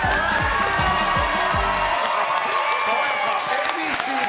Ａ．Ｂ．Ｃ‐Ｚ